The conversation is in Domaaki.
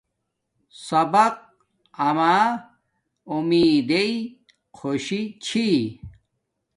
سبق اما امیدݵ خوشی چھی